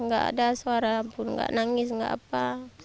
gak ada suara pun gak nangis gak apa